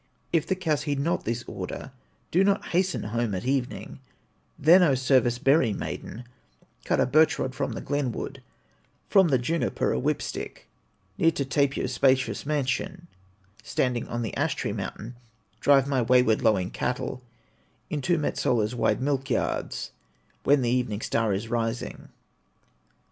If the cows heed not this order, Do not hasten home at evening, Then, O service berry maiden, Cut a birch rod from the glenwood, From the juniper, a whip stick, Near to Tapio's spacious mansion, Standing on the ash tree mountain, Drive my wayward, lowing cattle, Into Metsola's wide milk yards, When the evening star is rising.